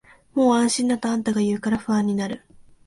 もう安心だとあんたが言うから不安になる